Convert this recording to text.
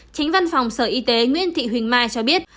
tránh văn phòng sở y tế nguyễn thị huỳnh mai cho biết